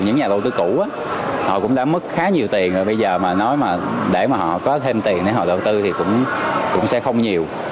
những nhà đầu tư cũ họ cũng đã mất khá nhiều tiền bây giờ mà nói mà để mà họ có thêm tiền để họ đầu tư thì cũng sẽ không nhiều